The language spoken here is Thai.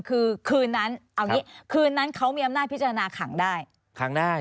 คือคืนนั้นเอางี้คืนนั้นเขามีอำนาจพิจารณาขังได้ขังได้